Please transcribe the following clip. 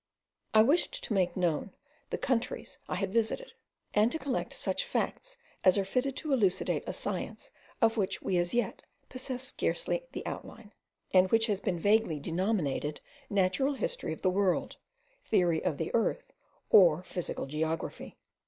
I wished to make known the countries I had visited; and to collect such facts as are fitted to elucidate a science of which we as yet possess scarcely the outline, and which has been vaguely denominated Natural History of the World, Theory of the Earth, or Physical Geography.